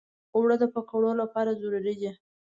اوړه د پکوړو لپاره ضروري دي